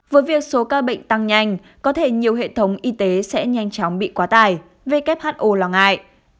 với việc số ca bệnh tăng nhanh có thể nhiều hệ thống y tế sẽ nhanh chóng bị quá tải who lo ngại